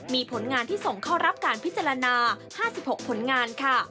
มีผลงานที่ส่งเข้ารับการพิจารณา๕๖ผลงานค่ะ